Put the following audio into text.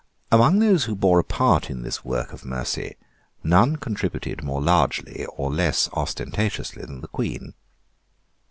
Among those who bore a part in this work of mercy, none contributed more largely or less ostentatiously than the Queen.